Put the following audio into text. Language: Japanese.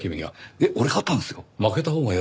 えっ俺勝ったんですよ？